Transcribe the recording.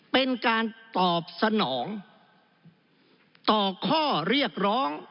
เป็นการตอบสนองต่อข้อเรียกร้อง